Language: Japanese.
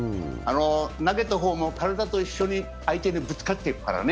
投げた方も体と一緒に相手にぶつかっていくからね。